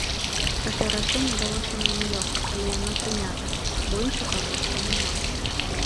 Гэтае рашэнне далося нам нялёгка, але яно прынята, бо іншага выйсця няма.